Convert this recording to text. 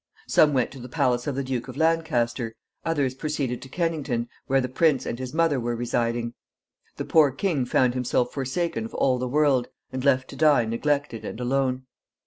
Some went to the palace of the Duke of Lancaster; others proceeded to Kennington, where the prince and his mother were residing. The poor king found himself forsaken of all the world, and left to die neglected and alone.